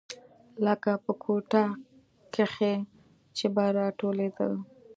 لکه په کوټه کښې چې به راټولېدل.